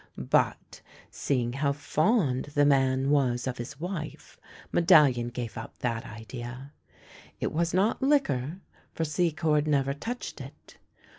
But, seeing how fond the man was of his wife, Medallion gave up that idea. It was not liquor, for Secord never touched it.